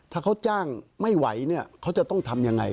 ถ้าเขาจ้างไม่ไหวเนี่ยเขาจะต้องทำยังไง